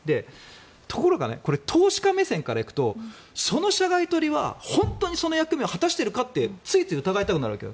ところが、投資家目線から行くとその社外取締役は本当にその役目を果たしているかってついつい疑いたくなるわけ。